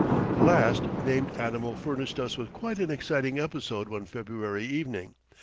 The last named animal furnished us with quite an exciting episode one February evening.